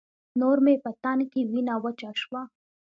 نور مې په تن کې وينه وچه شوه.